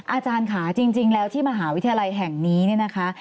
อาจารย์ค่ะจริงแล้วที่มหาวิทยาลัยแห่งนี้เนี่ยนะคะ